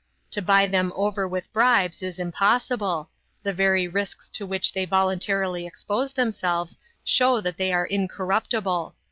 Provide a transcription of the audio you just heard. To buy them over with bribes is impossible; the very risks to which they voluntarily expose themselves show that they are incorruptible.